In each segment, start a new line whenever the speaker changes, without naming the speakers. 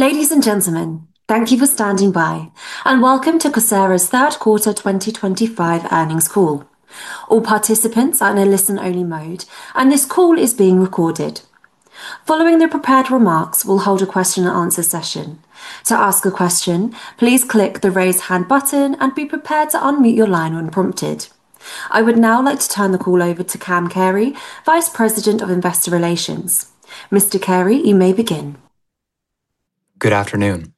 Ladies and gentlemen, thank you for standing by and Welcome to Coursera's third quarter 2025 earnings call. All participants are in a listen-only mode, and this call is being recorded. Following the prepared remarks, we'll hold a question and answer session. To ask a question, please click the raise hand button and be prepared to unmute your line when prompted. I would now like to turn the call over to Cam Carey, Vice President of Investor Relations. Mr. Carey, you may begin.
Good afternoon.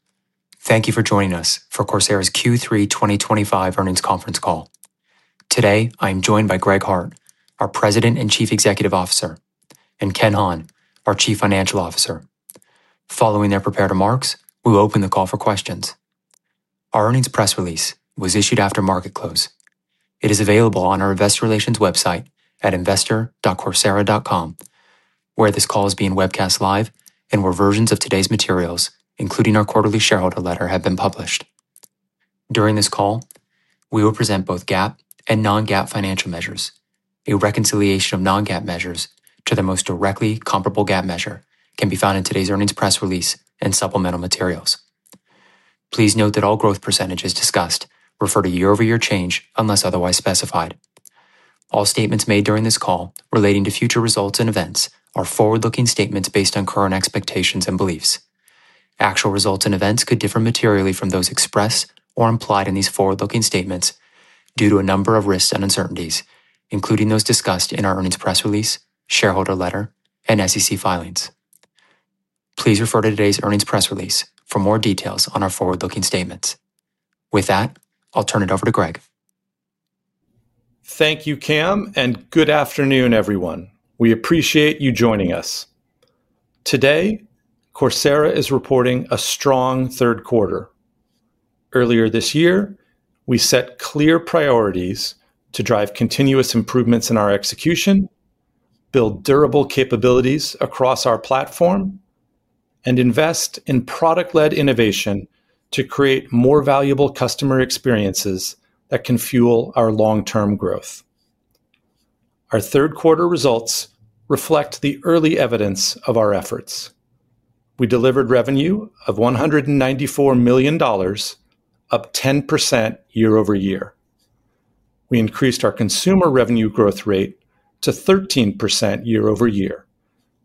Thank you for joining us for Coursera's Q3 2025 earnings conference call. Today, I am joined by Greg Hart, our President and Chief Executive Officer, and Ken Hahn, our Chief Financial Officer. Following their prepared remarks, we'll open the call for questions. Our earnings press release was issued after market close. It is available on our Investor Relations website at investor.coursera.com, where this call is being webcast live and where versions of today's materials, including our quarterly shareholder letter, have been published. During this call, we will present both GAAP and non-GAAP financial measures. A reconciliation of non-GAAP measures to the most directly comparable GAAP measure can be found in today's earnings press release and supplemental materials. Please note that all growth percentages discussed refer to year-over-year change unless otherwise specified. All statements made during this call relating to future results and events are forward-looking statements based on current expectations and beliefs. Actual results and events could differ materially from those expressed or implied in these forward-looking statements due to a number of risks and uncertainties, including those discussed in our earnings press release, shareholder letter, and SEC filings. Please refer to today's earnings press release for more details on our forward-looking statements. With that, I'll turn it over to Greg.
Thank you, Cam, and good afternoon, everyone. We appreciate you joining us. Today, Coursera is reporting a strong third quarter. Earlier this year, we set clear priorities to drive continuous improvements in our execution, build durable capabilities across our platform, and invest in product-led innovation to create more valuable customer experiences that can fuel our long-term growth. Our third quarter results reflect the early evidence of our efforts. We delivered revenue of $194 million, up 10% year-over-year. We increased our consumer revenue growth rate to 13% year-over-year,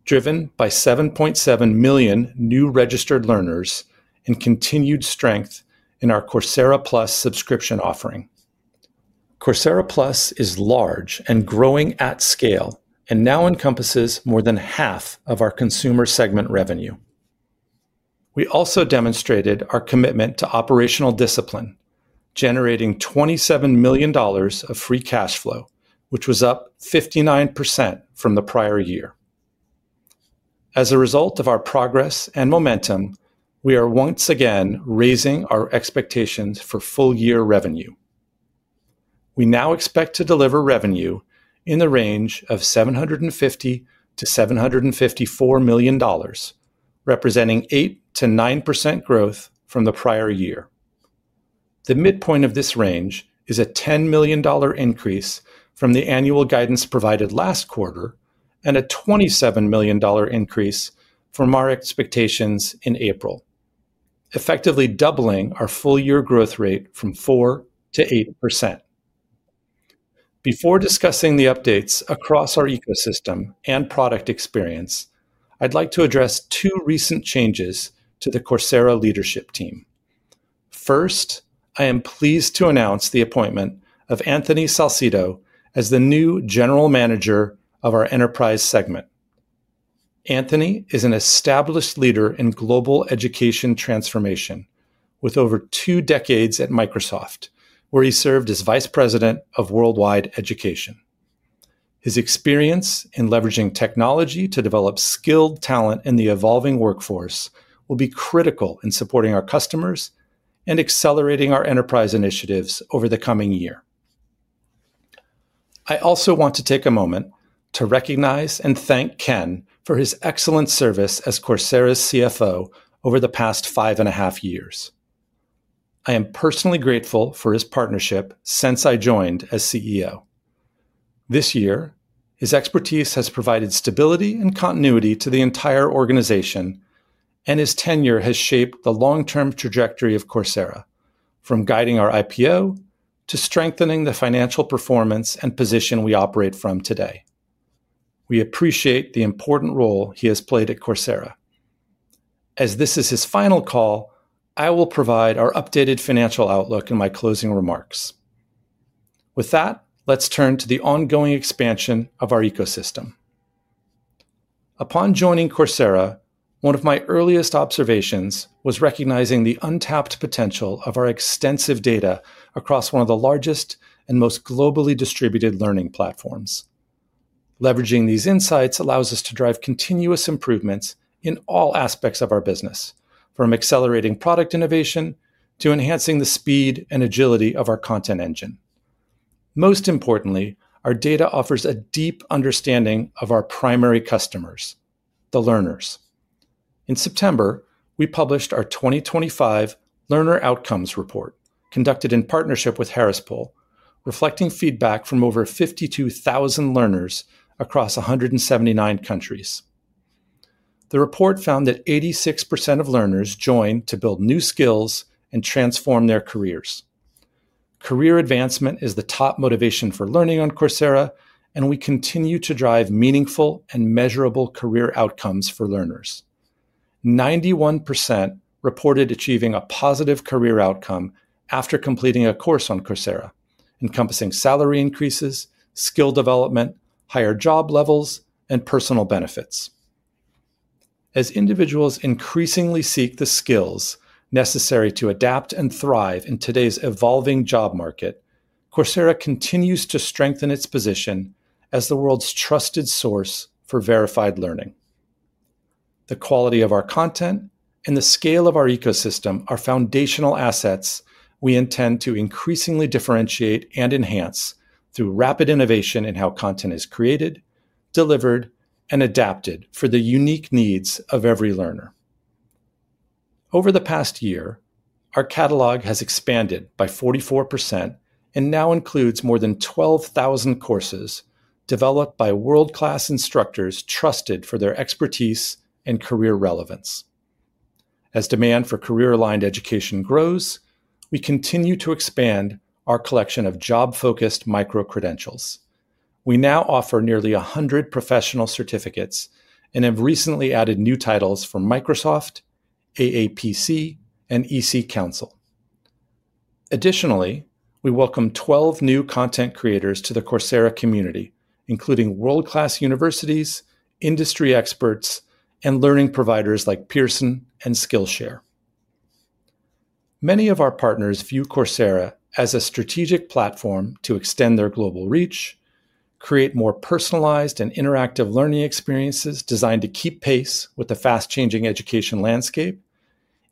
driven by 7.7 million new registered learners and continued strength in our Coursera Plus subscription offering. Coursera Plus is large and growing at scale and now encompasses more than half of our consumer segment revenue. We also demonstrated our commitment to operational discipline, generating $27 million of free cash flow, which was up 59% from the prior year. As a result of our progress and momentum, we are once again raising our expectations for full-year revenue. We now expect to deliver revenue in the range of $750 million-$754 million, representing 8%-9% growth from the prior year. The midpoint of this range is a $10 million increase from the annual guidance provided last quarter and a $27 million increase from our expectations in April, effectively doubling our full-year growth rate from 4% to 8%. Before discussing the updates across our ecosystem and product experience, I'd like to address two recent changes to the Coursera leadership team. First, I am pleased to announce the appointment of Anthony Salcito as the new General Manager of our enterprise segment. Anthony is an established leader in global education transformation, with over two decades at Microsoft, where he served as Vice President of Worldwide Education. His experience in leveraging technology to develop skilled talent in the evolving workforce will be critical in supporting our customers and accelerating our enterprise initiatives over the coming year. I also want to take a moment to recognize and thank Ken for his excellent service as Coursera's CFO over the past five and a half years. I am personally grateful for his partnership since I joined as CEO. This year, his expertise has provided stability and continuity to the entire organization, and his tenure has shaped the long-term trajectory of Coursera, from guiding our IPO to strengthening the financial performance and position we operate from today. We appreciate the important role he has played at Coursera. As this is his final call, I will provide our updated financial outlook in my closing remarks. With that, let's turn to the ongoing expansion of our ecosystem. Upon joining Coursera, one of my earliest observations was recognizing the untapped potential of our extensive data across one of the largest and most globally distributed learning platforms. Leveraging these insights allows us to drive continuous improvements in all aspects of our business, from accelerating product innovation to enhancing the speed and agility of our content engine. Most importantly, our data offers a deep understanding of our primary customers, the learners. In September, we published our 2025 Learner Outcomes Report, conducted in partnership with Harris Poll, reflecting feedback from over 52,000 learners across 179 countries. The report found that 86% of learners joined to build new skills and transform their careers. Career advancement is the top motivation for learning on Coursera, and we continue to drive meaningful and measurable career outcomes for learners. 91% reported achieving a positive career outcome after completing a course on Coursera, encompassing salary increases, skill development, higher job levels, and personal benefits. As individuals increasingly seek the skills necessary to adapt and thrive in today's evolving job market, Coursera continues to strengthen its position as the world's trusted source for verified learning. The quality of our content and the scale of our ecosystem are foundational assets we intend to increasingly differentiate and enhance through rapid innovation in how content is created, delivered, and adapted for the unique needs of every learner. Over the past year, our catalog has expanded by 44% and now includes more than 12,000 courses developed by world-class instructors trusted for their expertise and career relevance. As demand for career-aligned education grows, we continue to expand our collection of job-focused micro-credentials. We now offer nearly 100 professional certificates and have recently added new titles from Microsoft, AAPC, and EC Council. Additionally, we welcome 12 new content creators to the Coursera community, including world-class universities, industry experts, and learning providers lik`e Pearson and Skillshare. Many of our partners view Coursera as a strategic platform to extend their global reach, create more personalized and interactive learning experiences designed to keep pace with the fast-changing education landscape,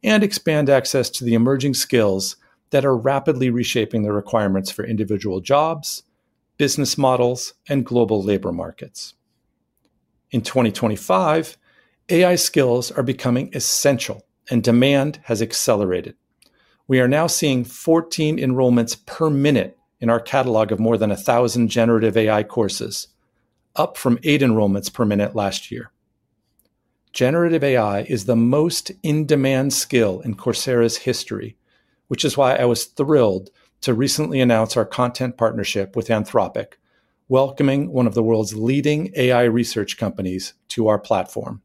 and expand access to the emerging skills that are rapidly reshaping the requirements for individual jobs, business models, and global labor markets. In 2025, AI skills are becoming essential, and demand has accelerated. We are now seeing 14 enrollments per minute in our catalog of more than 1,000 generative AI courses, up from eight enrollments per minute last year. Generative AI is the most in-demand skill in Coursera's history, which is why I was thrilled to recently announce our content partnership with Anthropic, welcoming one of the world's leading AI research companies to our platform.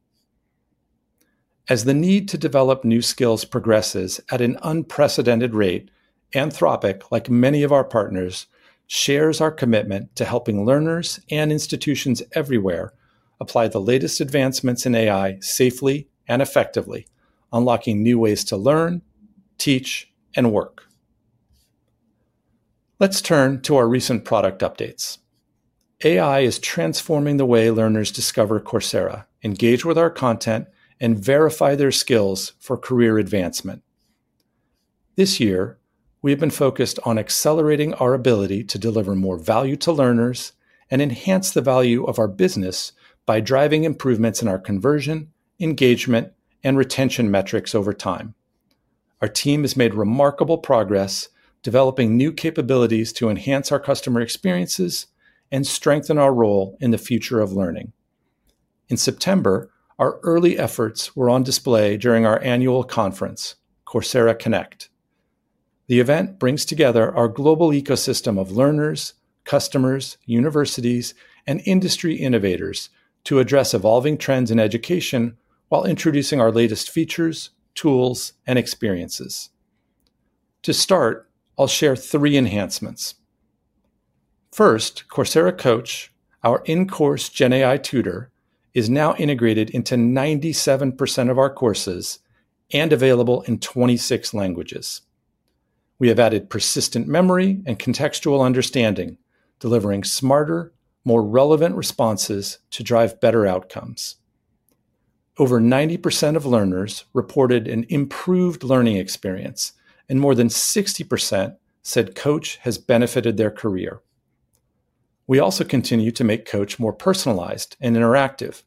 As the need to develop new skills progresses at an unprecedented rate, Anthropic, like many of our partners, shares our commitment to helping learners and institutions everywhere apply the latest advancements in AI safely and effectively, unlocking new ways to learn, teach, and work. Let's turn to our recent product updates. AI is transforming the way learners discover Coursera, engage with our content, and verify their skills for career advancement. This year, we have been focused on accelerating our ability to deliver more value to learners and enhance the value of our business by driving improvements in our conversion, engagement, and retention metrics over time. Our team has made remarkable progress developing new capabilities to enhance our customer experiences and strengthen our role in the future of learning. In September, our early efforts were on display during our annual conference, Coursera Connect. The event brings together our global ecosystem of learners, customers, universities, and industry innovators to address evolving trends in education while introducing our latest features, tools, and experiences. To start, I'll share three enhancements. First, Coursera Coach, our in-course GenAI tutor, is now integrated into 97% of our courses and available in 26 languages. We have added persistent memory and contextual understanding, delivering smarter, more relevant responses to drive better outcomes. Over 90% of learners reported an improved learning experience, and more than 60% said Coach has benefited their career. We also continue to make Coach more personalized and interactive.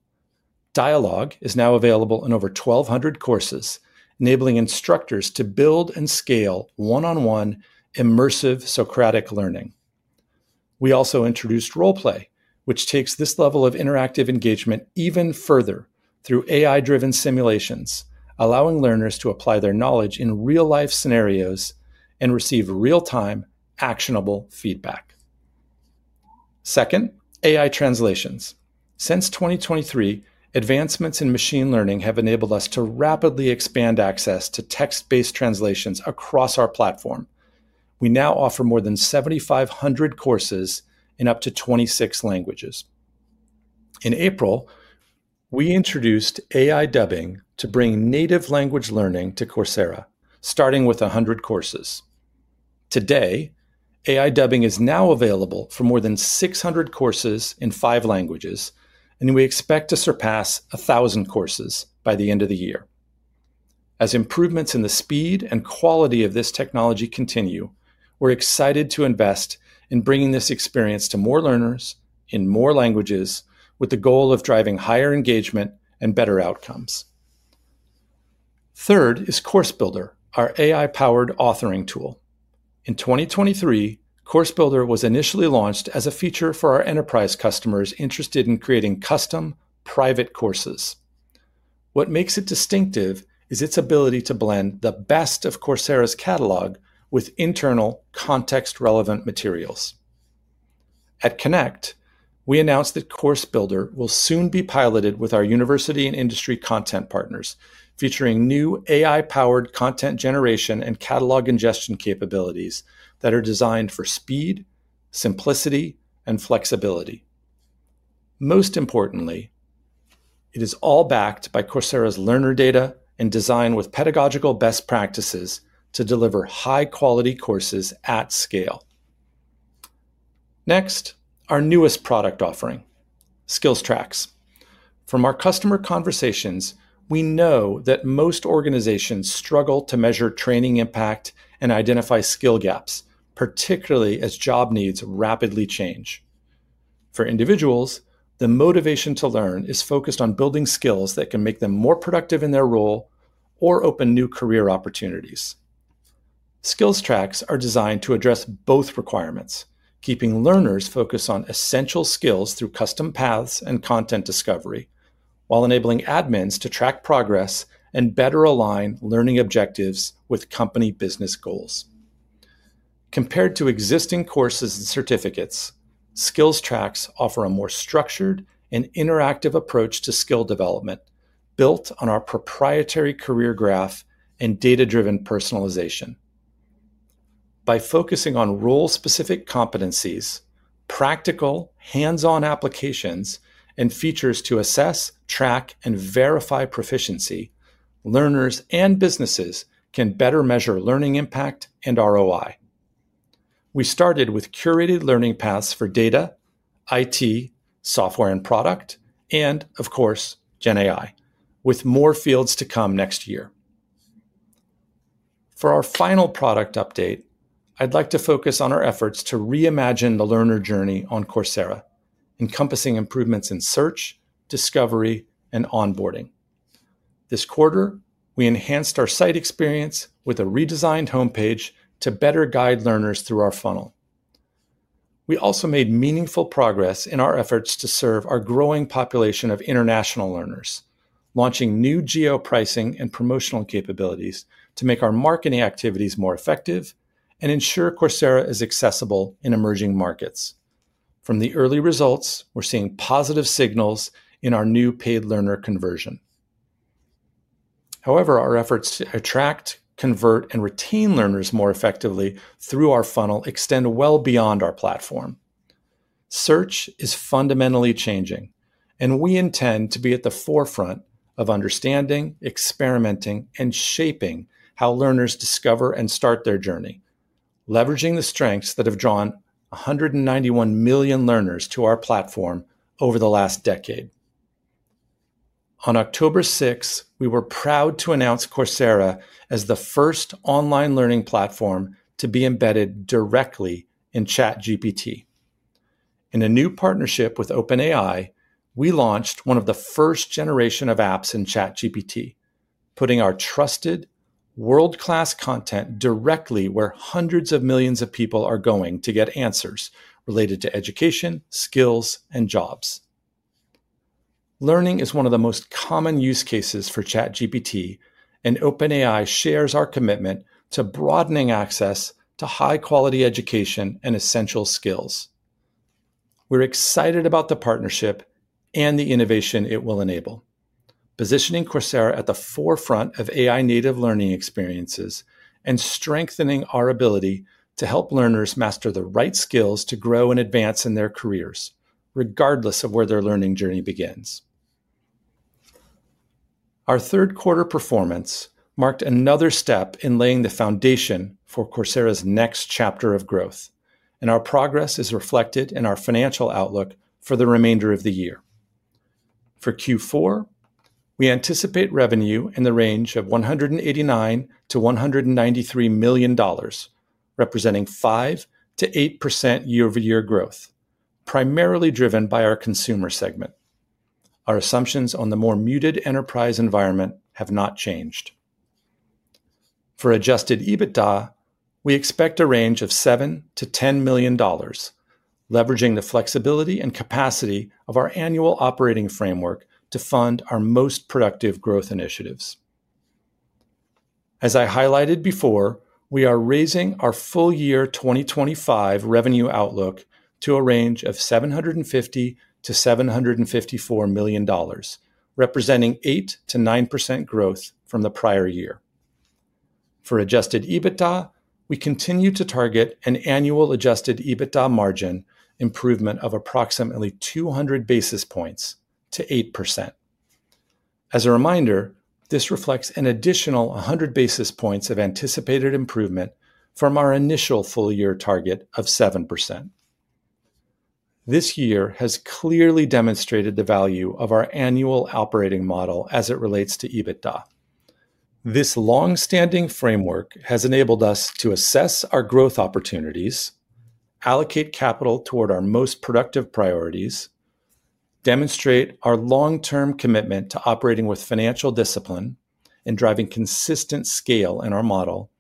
Dialogue is now available in over 1,200 courses, enabling instructors to build and scale one-on-one immersive Socratic learning. We also introduced role play, which takes this level of interactive engagement even further through AI-driven simulations, allowing learners to apply their knowledge in real-life scenarios and receive real-time, actionable feedback. Second, AI translations. Since 2023, advancements in machine learning have enabled us to rapidly expand access to text-based translations across our platform. We now offer more than 7,500 courses in up to 26 languages. In April, we introduced AI dubbing to bring native language learning to Coursera, starting with 100 courses. Today, AI dubbing is now available for more than 600 courses in five languages, and we expect to surpass 1,000 courses by the end of the year. As improvements in the speed and quality of this technology continue, we're excited to invest in bringing this experience to more learners in more languages, with the goal of driving higher engagement and better outcomes. Third is Course Builder, our AI-powered authoring tool. In 2023, Course Builder was initially launched as a feature for our enterprise customers interested in creating custom private courses. What makes it distinctive is its ability to blend the best of Coursera's catalog with internal context-relevant materials. At Connect, we announced that Course Builder will soon be piloted with our university and industry content partners, featuring new AI-powered content generation and catalog ingestion capabilities that are designed for speed, simplicity, and flexibility. Most importantly, it is all backed by Coursera's learner data and designed with pedagogical best practices to deliver high-quality courses at scale. Next, our newest product offering, Skills Tracks. From our customer conversations, we know that most organizations struggle to measure training impact and identify skill gaps, particularly as job needs rapidly change. For individuals, the motivation to learn is focused on building skills that can make them more productive in their role or open new career opportunities. Skills Tracks are designed to address both requirements, keeping learners focused on essential skills through custom paths and content discovery, while enabling admins to track progress and better align learning objectives with company business goals. Compared to existing courses and certificates, Skills Tracks offers a more structured and interactive approach to skill development, built on our proprietary career graph and data-driven personalization. By focusing on role-specific competencies, practical hands-on applications, and features to assess, track, and verify proficiency, learners and businesses can better measure learning impact and ROI. We started with curated learning paths for data, IT, software, and product, and, of course, generative AI, with more fields to come next year. For our final product update, I'd like to focus on our efforts to reimagine the learner journey on Coursera, encompassing improvements in search, discovery, and onboarding. This quarter, we enhanced our site experience with a redesigned homepage to better guide learners through our funnel. We also made meaningful progress in our efforts to serve our growing population of international learners, launching new geo-pricing and promotional capabilities to make our marketing activities more effective and ensure Coursera is accessible in emerging markets. From the early results, we're seeing positive signals in our new paid learner conversion. However, our efforts to attract, convert, and retain learners more effectively through our funnel extend well beyond our platform. Search is fundamentally changing, and we intend to be at the forefront of understanding, experimenting, and shaping how learners discover and start their journey, leveraging the strengths that have drawn 191 million learners to our platform over the last decade. On October 6, we were proud to announce Coursera as the first online learning platform to be embedded directly in ChatGPT. In a new partnership with OpenAI, we launched one of the first generation of apps in ChatGPT, putting our trusted, world-class content directly where hundreds of millions of people are going to get answers related to education, skills, and jobs. Learning is one of the most common use cases for ChatGPT, and OpenAI shares our commitment to broadening access to high-quality education and essential skills. We're excited about the partnership and the innovation it will enable, positioning Coursera at the forefront of AI-native learning experiences and strengthening our ability to help learners master the right skills to grow and advance in their careers, regardless of where their learning journey begins. Our third quarter performance marked another step in laying the foundation for Coursera's next chapter of growth, and our progress is reflected in our financial outlook for the remainder of the year. For Q4, we anticipate revenue in the range of $189 million-$193 million, representing 5%-8% year-over-year growth, primarily driven by our consumer segment. Our assumptions on the more muted enterprise environment have not changed. For adjusted EBITDA, we expect a range of $7 million-$10 million, leveraging the flexibility and capacity of our annual operating framework to fund our most productive growth initiatives. As I highlighted before, we are raising our full-year 2025 revenue outlook to a range of $750 million-$754 million, representing 8%-9% growth from the prior year. For adjusted EBITDA, we continue to target an annual adjusted EBITDA margin improvement of approximately 200 basis points to 8%. As a reminder, this reflects an additional 100 basis points of anticipated improvement from our initial full-year target of 7%. This year has clearly demonstrated the value of our annual operating model as it relates to EBITDA. This long-standing framework has enabled us to assess our growth opportunities, allocate capital toward our most productive priorities, demonstrate our long-term commitment to operating with financial discipline and driving consistent scale in our model,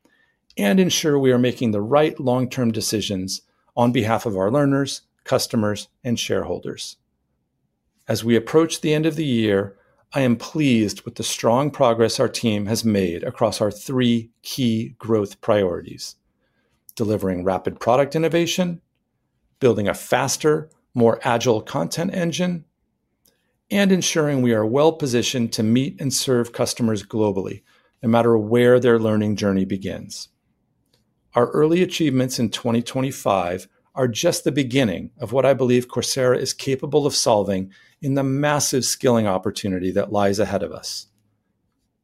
and ensure we are making the right long-term decisions on behalf of our learners, customers, and shareholders. As we approach the end of the year, I am pleased with the strong progress our team has made across our three key growth priorities: delivering rapid product innovation, building a faster, more agile content engine, and ensuring we are well-positioned to meet and serve customers globally, no matter where their learning journey begins. Our early achievements in 2025 are just the beginning of what I believe Coursera is capable of solving in the massive skilling opportunity that lies ahead of us.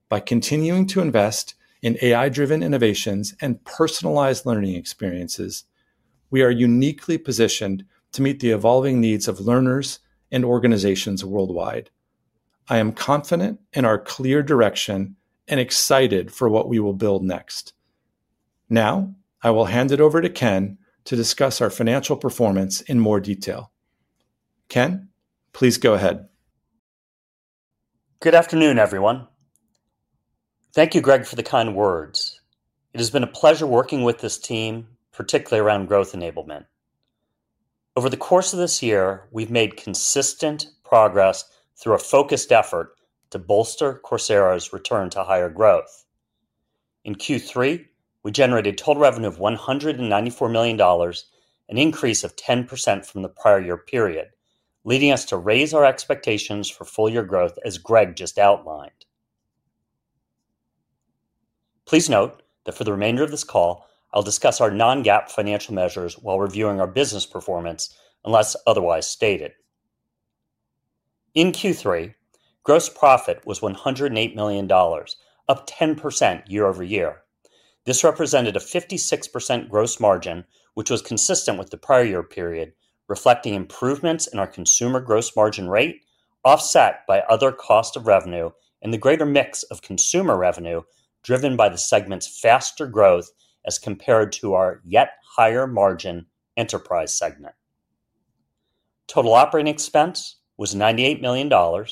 By continuing to invest in AI-driven innovations and personalized learning experiences, we are uniquely positioned to meet the evolving needs of learners and organizations worldwide. I am confident in our clear direction and excited for what we will build next. Now, I will hand it over to Ken to discuss our financial performance in more detail. Ken, please go ahead.
Good afternoon, everyone. Thank you, Greg, for the kind words. It has been a pleasure working with this team, particularly around growth enablement. Over the course of this year, we've made consistent progress through a focused effort to bolster Coursera's return to higher growth. In Q3, we generated a total revenue of $194 million, an increase of 10% from the prior year period, leading us to raise our expectations for full-year growth, as Greg just outlined. Please note that for the remainder of this call, I'll discuss our non-GAAP financial measures while reviewing our business performance, unless otherwise stated. In Q3, gross profit was $108 million, up 10% year-over-year. This represented a 56% gross margin, which was consistent with the prior year period, reflecting improvements in our consumer gross margin rate, offset by other costs of revenue and the greater mix of consumer revenue driven by the segment's faster growth as compared to our yet higher margin enterprise segment. Total operating expense was $98 million, or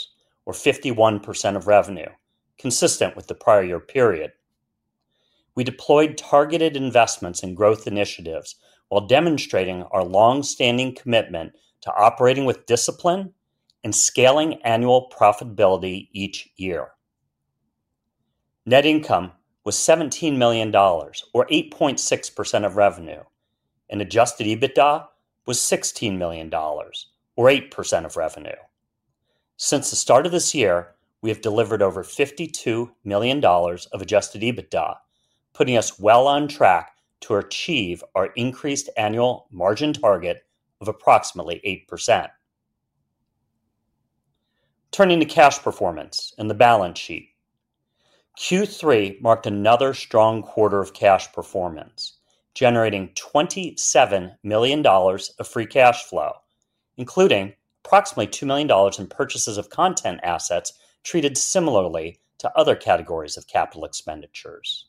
51% of revenue, consistent with the prior year period. We deployed targeted investments in growth initiatives while demonstrating our long-standing commitment to operating with discipline and scaling annual profitability each year. Net income was $17 million, or 8.6% of revenue, and adjusted EBITDA was $16 million, or 8% of revenue. Since the start of this year, we have delivered over $52 million of adjusted EBITDA, putting us well on track to achieve our increased annual margin target of approximately 8%. Turning to cash performance and the balance sheet, Q3 marked another strong quarter of cash performance, generating $27 million of free cash flow, including approximately $2 million in purchases of content assets treated similarly to other categories of capital expenditures.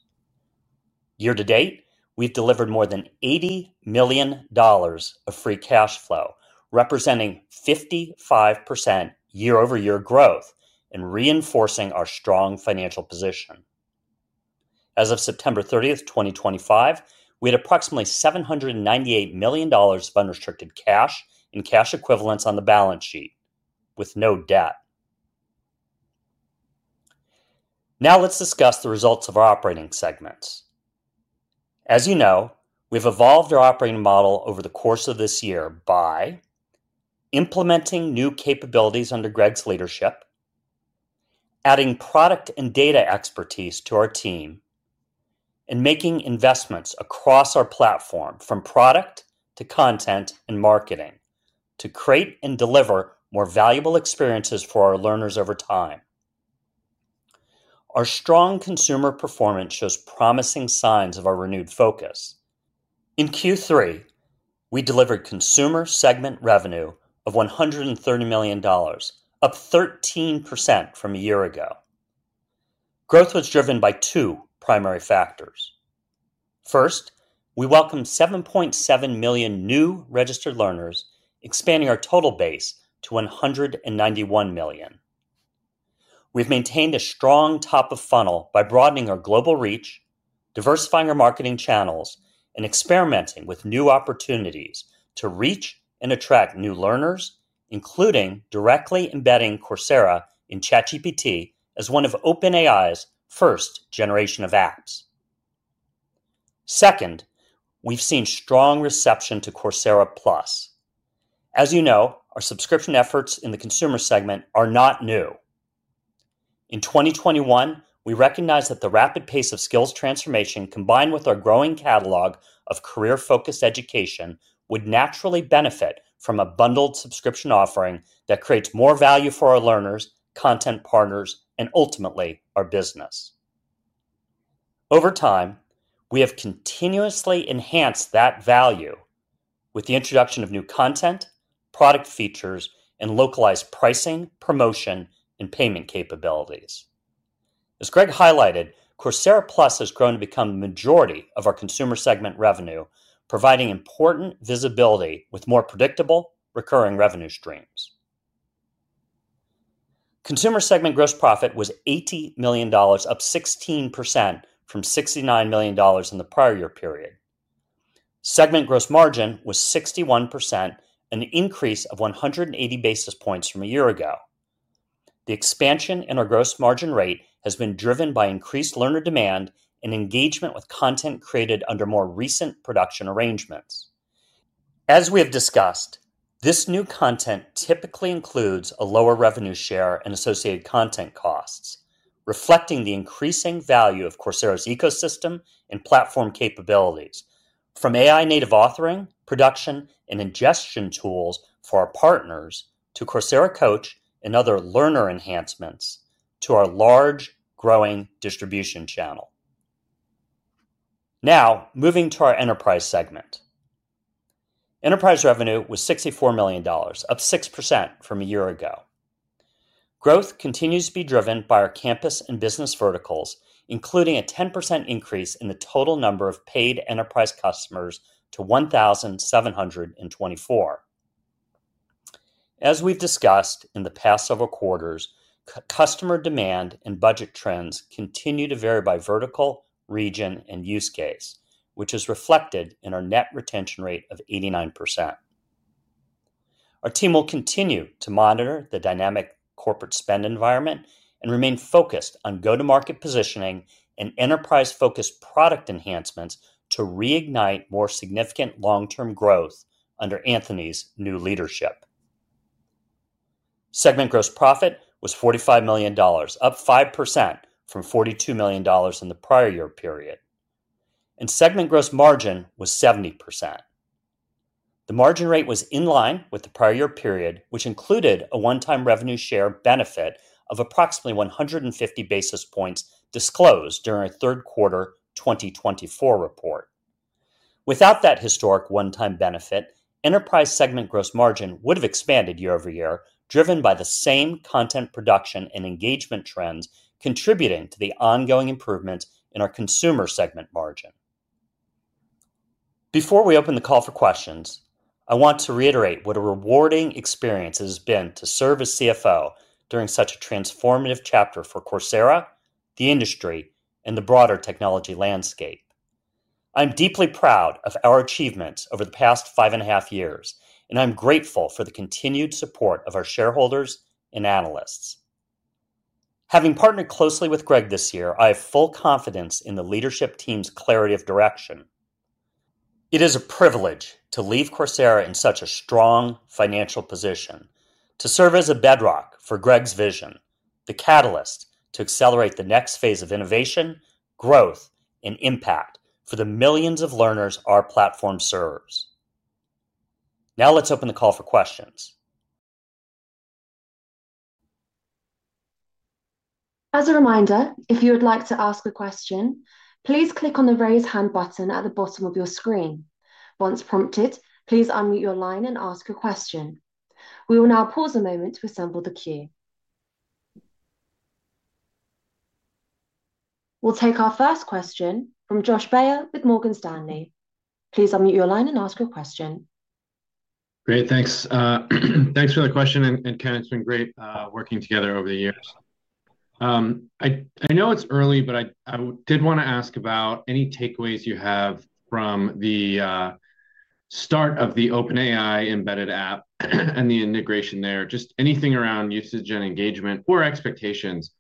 Year to date, we've delivered more than $80 million of free cash flow, representing 55% year-over-year growth and reinforcing our strong financial position. As of September 30th, 2025, we had approximately $798 million of unrestricted cash and cash equivalents on the balance sheet, with no debt. Now, let's discuss the results of our operating segments. As you know, we've evolved our operating model over the course of this year by implementing new capabilities under Greg's leadership, adding product and data expertise to our team, and making investments across our platform from product to content and marketing to create and deliver more valuable experiences for our learners over time. Our strong consumer performance shows promising signs of our renewed focus. In Q3, we delivered consumer segment revenue of $130 million, up 13% from a year ago. Growth was driven by two primary factors. First, we welcomed 7.7 million new registered learners, expanding our total base to 191 million. We've maintained a strong top-of-funnel by broadening our global reach, diversifying our marketing channels, and experimenting with new opportunities to reach and attract new learners, including directly embedding Coursera in ChatGPT as one of OpenAI's first generation of apps. Second, we've seen strong reception to Coursera Plus. As you know, our subscription efforts in the consumer segment are not new. In 2021, we recognized that the rapid pace of skills transformation, combined with our growing catalog of career-focused education, would naturally benefit from a bundled subscription offering that creates more value for our learners, content partners, and ultimately our business. Over time, we have continuously enhanced that value with the introduction of new content, product features, and localized pricing, promotion, and payment capabilities. As Greg highlighted, Coursera Plus has grown to become the majority of our consumer segment revenue, providing important visibility with more predictable recurring revenue streams. Consumer segment gross profit was $80 million, up 16% from $69 million in the prior year period. Segment gross margin was 61%, an increase of 180 basis points from a year ago. The expansion in our gross margin rate has been driven by increased learner demand and engagement with content created under more recent production arrangements. As we have discussed, this new content typically includes a lower revenue share and associated content costs, reflecting the increasing value of Coursera's ecosystem and platform capabilities, from AI-native authoring, production, and ingestion tools for our partners to Coursera Coach and other learner enhancements to our large growing distribution channel. Now, moving to our enterprise segment. Enterprise revenue was $64 million, up 6% from a year ago. Growth continues to be driven by our campus and business verticals, including a 10% increase in the total number of paid enterprise customers to 1,724. As we've discussed in the past several quarters, customer demand and budget trends continue to vary by vertical, region, and use case, which is reflected in our net retention rate of 89%. Our team will continue to monitor the dynamic corporate spend environment and remain focused on go-to-market positioning and enterprise-focused product enhancements to reignite more significant long-term growth under Anthony's new leadership. Segment gross profit was $45 million, up 5% from $42 million in the prior year period. Segment gross margin was 70%. The margin rate was in line with the prior year period, which included a one-time revenue share benefit of approximately 150 basis points disclosed during our third quarter 2024 report. Without that historic one-time benefit, enterprise segment gross margin would have expanded year-over-year, driven by the same content production and engagement trends contributing to the ongoing improvements in our consumer segment margin. Before we open the call for questions, I want to reiterate what a rewarding experience it has been to serve as CFO during such a transformative chapter for Coursera, the industry, and the broader technology landscape. I'm deeply proud of our achievements over the past five and a half years, and I'm grateful for the continued support of our shareholders and analysts. Having partnered closely with Greg this year, I have full confidence in the leadership team's clarity of direction. It is a privilege to lead Coursera in such a strong financial position, to serve as a bedrock for Greg's vision, the catalyst to accelerate the next phase of innovation, growth, and impact for the millions of learners our platform serves. Now, let's open the call for questions.
As a reminder, if you would like to ask a question, please click on the raise hand button at the bottom of your screen. Once prompted, please unmute your line and ask your question. We will now pause a moment to assemble the queue. We'll take our first question from Josh Baer with Morgan Stanley. Please unmute your line and ask your question.
Great, thanks. Thanks for the question, and Ken, it's been great working together over the years. I know it's early, but I did want to ask about any takeaways you have from the start of the OpenAI embedded app and the integration there, just anything around usage and engagement or expectations.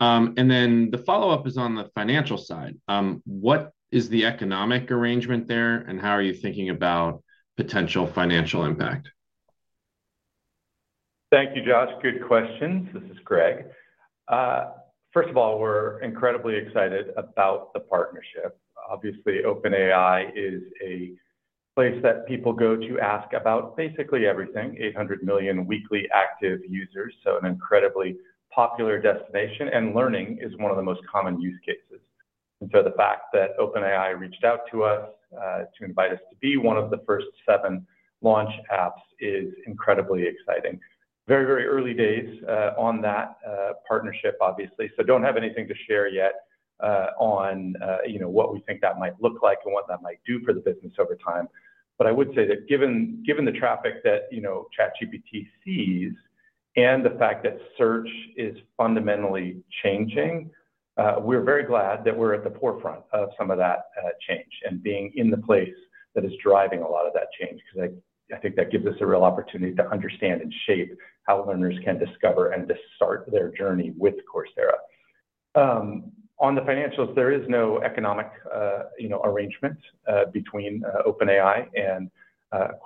The follow-up is on the financial side. What is the economic arrangement there, and how are you thinking about potential financial impact?
Thank you, Josh. Good questions. This is Greg. First of all, we're incredibly excited about the partnership. Obviously, OpenAI is a place that people go to ask about basically everything, 800 million weekly active users, so an incredibly popular destination, and learning is one of the most common use cases. The fact that OpenAI reached out to us to invite us to be one of the first seven launch apps is incredibly exciting. Very, very early days on that partnership, obviously, so don't have anything to share yet on what we think that might look like and what that might do for the business over time. I would say that given the traffic that ChatGPT sees and the fact that search is fundamentally changing, we're very glad that we're at the forefront of some of that change and being in the place that is driving a lot of that change, because I think that gives us a real opportunity to understand and shape how learners can discover and start their journey with Coursera. On the financials, there is no economic arrangement between OpenAI and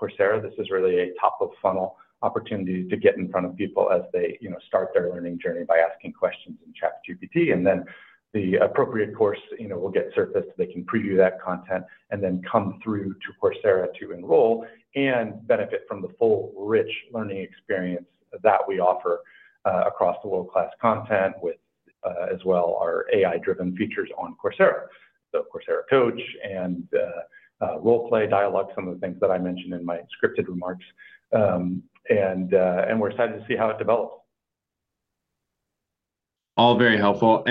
Coursera. This is really a top-of-funnel opportunity to get in front of people as they start their learning journey by asking questions in ChatGPT, and then the appropriate course will get surfaced. They can preview that content and then come through to Coursera to enroll and benefit from the full rich learning experience that we offer across the world-class content with, as well, our AI-driven features on Coursera, the Coursera Coach and role play dialogue, some of the things that I mentioned in my scripted remarks. We're excited to see how it develops.
All very helpful.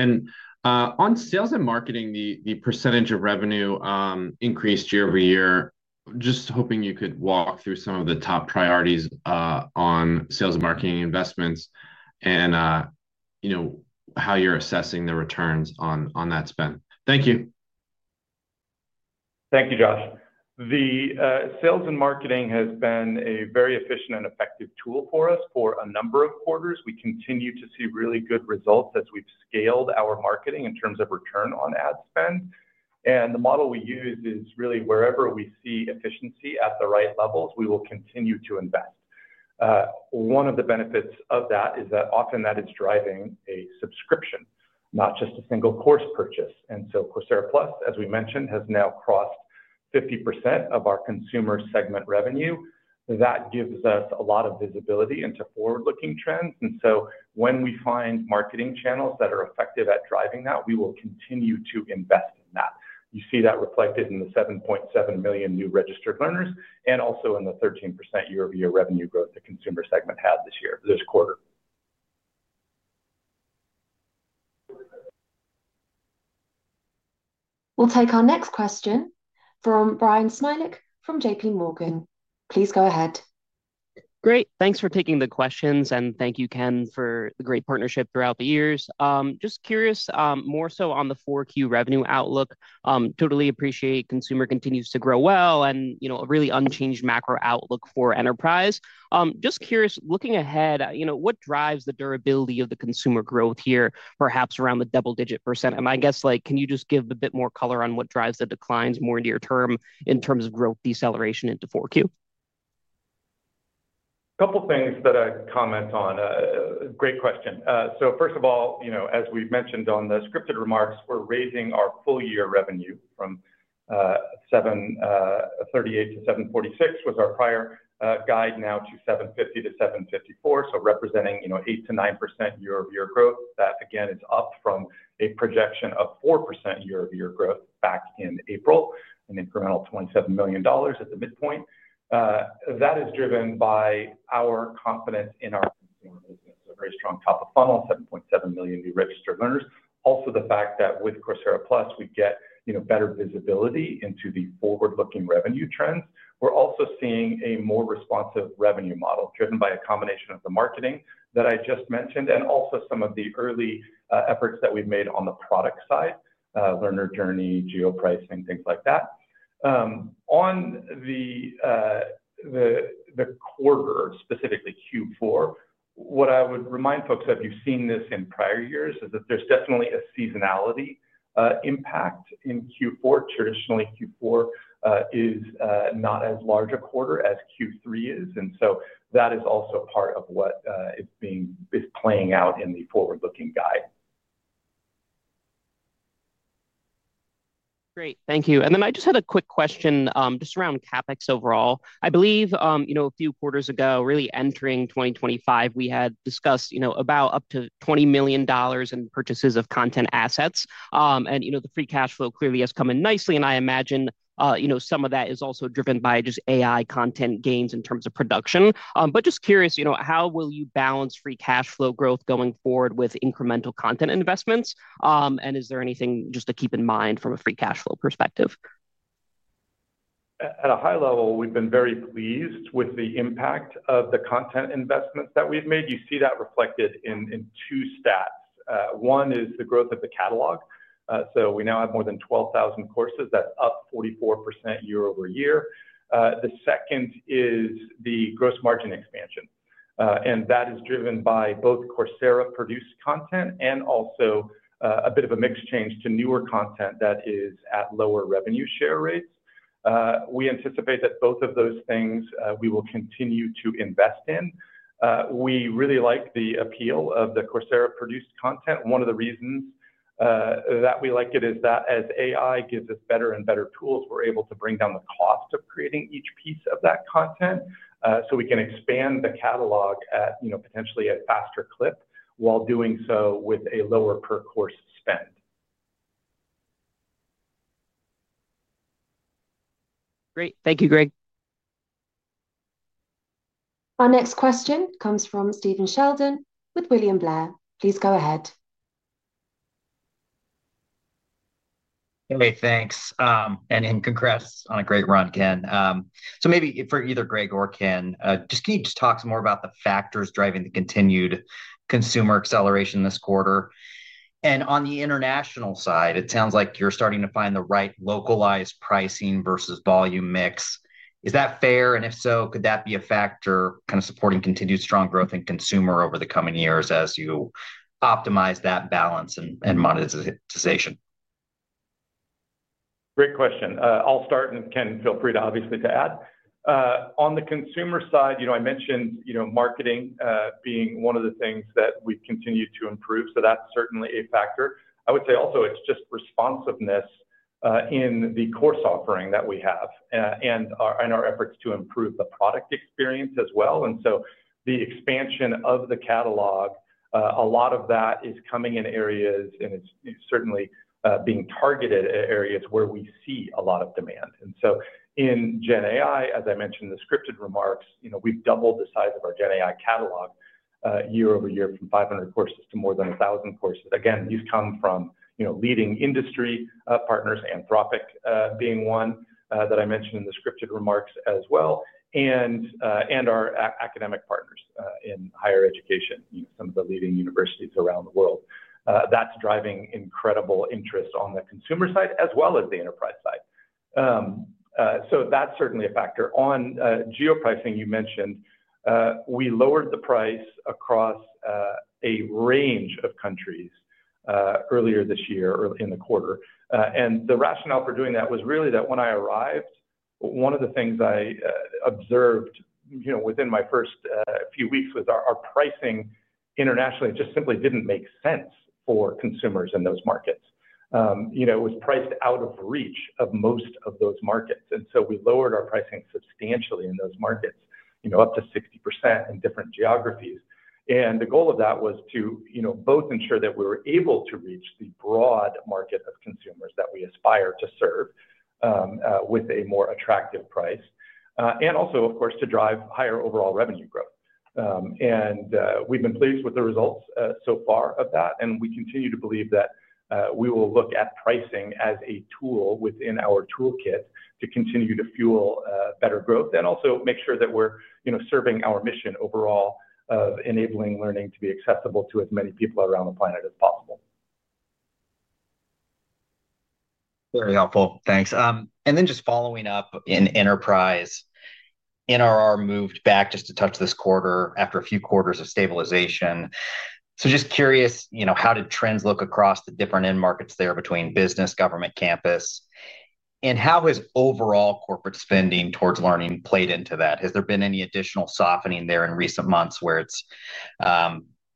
On sales and marketing, the percentage of revenue increased year-over-year. Just hoping you could walk through some of the top priorities on sales and marketing investments and how you're assessing the returns on that spend. Thank you.
Thank you, Josh. Sales and marketing has been a very efficient and effective tool for us for a number of quarters. We continue to see really good results as we've scaled our marketing in terms of return on ad spend. The model we use is really wherever we see efficiency at the right levels, we will continue to invest. One of the benefits of that is that often that is driving a subscription, not just a single course purchase. Coursera Plus, as we mentioned, has now crossed 50% of our consumer segment revenue. That gives us a lot of visibility into forward-looking trends. When we find marketing channels that are effective at driving that, we will continue to invest in that. You see that reflected in the 7.7 million new registered learners and also in the 13% year-over-year revenue growth the consumer segment had this year, this quarter.
We'll take our next question from Bryan Smilek from JPMorgan. Please go ahead.
Great. Thanks for taking the questions, and thank you, Ken, for the great partnership throughout the years. Just curious, more so on the 4Q revenue outlook. Totally appreciate consumer continues to grow well and a really unchanged macro outlook for enterprise. Just curious, looking ahead, what drives the durability of the consumer growth here, perhaps around the double-digit percent? I guess, can you just give a bit more color on what drives the declines more near-term in terms of growth deceleration into 4Q?
A couple of things that I'd comment on. Great question. First of all, as we mentioned on the scripted remarks, we're raising our full-year revenue from $738 million to $746 million was our prior guide, now to $750 million to $754 million, representing 8%-9% year-over-year growth. That, again, is up from a projection of 4% year-over-year growth back in April, an incremental $27 million at the midpoint. That is driven by our confidence in our consumer business, a very strong top-of-funnel, 7.7 million new registered learners. Also, the fact that with Coursera Plus, we get better visibility into the forward-looking revenue trends. We're also seeing a more responsive revenue model driven by a combination of the marketing that I just mentioned and also some of the early efforts that we've made on the product side, learner journey, geo-pricing, things like that. On the quarter, specifically Q4, what I would remind folks of, you've seen this in prior years, is that there's definitely a seasonality impact in Q4. Traditionally, Q4 is not as large a quarter as Q3 is, and that is also part of what is playing out in the forward-looking guide.
Great, thank you. I just had a quick question just around CapEx overall. I believe a few quarters ago, really entering 2025, we had discussed about up to $20 million in purchases of content assets. The free cash flow clearly has come in nicely, and I imagine some of that is also driven by just AI content gains in terms of production. I am just curious, how will you balance free cash flow growth going forward with incremental content investments? Is there anything just to keep in mind from a free cash flow perspective?
At a high level, we've been very pleased with the impact of the content investments that we've made. You see that reflected in two stats. One is the growth of the catalog. We now have more than 12,000 courses. That's up 44% year-over-year. The second is the gross margin expansion. That is driven by both Coursera-produced content and also a bit of a mix change to newer content that is at lower revenue share rates. We anticipate that both of those things we will continue to invest in. We really like the appeal of the Coursera-produced content. One of the reasons that we like it is that as AI gives us better and better tools, we're able to bring down the cost of creating each piece of that content, so we can expand the catalog at potentially a faster clip while doing so with a lower per-course spend.
Great, thank you, Greg.
Our next question comes from Stephen Sheldon with William Blair. Please go ahead.
Emily, thanks, and congrats on a great run, Ken. Maybe for either Greg or Ken, can you just talk some more about the factors driving the continued consumer acceleration this quarter? On the international side, it sounds like you're starting to find the right localized pricing versus volume mix. Is that fair? If so, could that be a factor supporting continued strong growth in consumer over the coming years as you optimize that balance and monetization?
Great question. I'll start, and Ken, feel free to obviously add. On the consumer side, I mentioned marketing being one of the things that we've continued to improve, so that's certainly a factor. I would say also it's just responsiveness in the course offering that we have and our efforts to improve the product experience as well. The expansion of the catalog, a lot of that is coming in areas, and it's certainly being targeted at areas where we see a lot of demand. In generative AI, as I mentioned in the scripted remarks, we've doubled the size of our generative AI catalog year-over-year from 500 courses to more than 1,000 courses. These come from leading industry partners, Anthropic being one that I mentioned in the scripted remarks as well, and our academic partners in higher education, some of the leading universities around the world. That's driving incredible interest on the consumer side as well as the enterprise side. That's certainly a factor. On geo-pricing, you mentioned we lowered the price across a range of countries earlier this year in the quarter. The rationale for doing that was really that when I arrived, one of the things I observed within my first few weeks was our pricing internationally just simply didn't make sense for consumers in those markets. It was priced out of reach of most of those markets. We lowered our pricing substantially in those markets, up to 60% in different geographies. The goal of that was to both ensure that we were able to reach the broad market of consumers that we aspire to serve with a more attractive price, and also, of course, to drive higher overall revenue growth. We've been pleased with the results so far of that, and we continue to believe that we will look at pricing as a tool within our toolkit to continue to fuel better growth and also make sure that we're serving our mission overall of enabling learning to be accessible to as many people around the planet as possible.
Very helpful, thanks. Just following up in enterprise, NRR moved back just a touch this quarter after a few quarters of stabilization. Just curious, how did trends look across the different end markets there between business, government, campus, and how has overall corporate spending towards learning played into that? Has there been any additional softening there in recent months where it's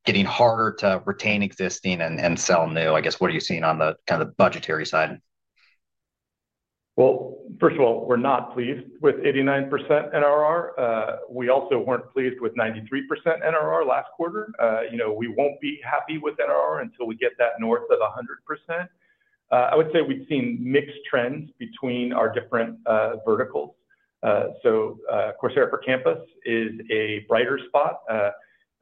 getting harder to retain existing and sell new? What are you seeing on the budgetary side?
First of all, we're not pleased with 89% NRR. We also weren't pleased with 93% NRR last quarter. We won't be happy with NRR until we get that north of 100%. I would say we've seen mixed trends between our different verticals. Coursera for Campus is a brighter spot.